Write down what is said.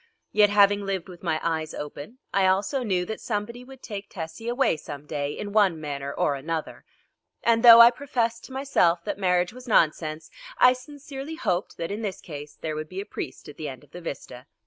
Yet, having lived with my eyes open, I also knew that somebody would take Tessie away some day, in one manner or another, and though I professed to myself that marriage was nonsense, I sincerely hoped that, in this case, there would be a priest at the end of the vista.